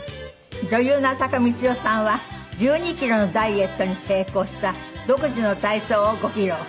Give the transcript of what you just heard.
女優の浅香光代さんは１２キロのダイエットに成功した独自の体操をご披露。